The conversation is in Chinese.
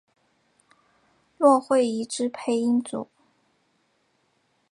骆慧怡之配音组。